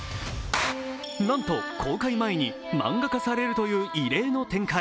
なんと公開前に漫画化されるという異例の展開。